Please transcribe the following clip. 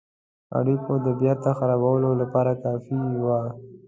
اړېکو د بیرته خرابېدلو لپاره کافي وه.